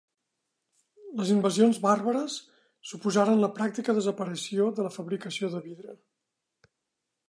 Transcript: Les invasions bàrbares suposaren la pràctica desaparició de la fabricació de vidre.